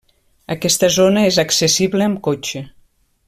Aquesta zona és accessible amb cotxe.